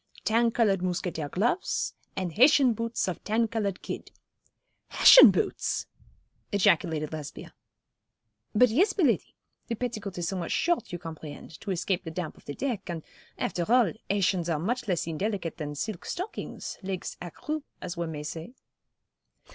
Tan coloured mousquetaire gloves, and Hessian boots of tan coloured kid.' 'Hessian boots!' ejaculated Lesbia. 'But, yes, Miladi. The petticoat is somewhat short, you comprehend, to escape the damp of the deck, and, after all, Hessians are much less indelicate than silk stockings, legs à cru, as one may say.'